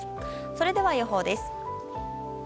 それでは予報です。